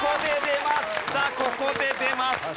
ここで出ました